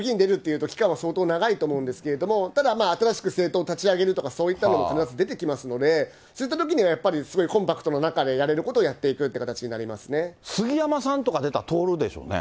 普通はやっぱり、衆議院出るっていうと、期間は相当長いと思うんですけれども、ただ、新しく政党立ち上げるとか、そういったものも必ず出てきますので、そういったときにはやっぱり、すごいコンパクトな中でやれることをやっていくって形になりますね。